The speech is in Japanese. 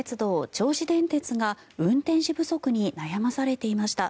銚子電鉄が運転士不足に悩まされていました。